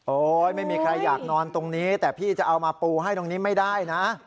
ไม่มีใครอยากนอนตรงนี้แต่พี่จะเอามาปูให้ตรงนี้ไม่ได้นะ